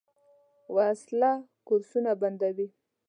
وسله کورسونه بندوي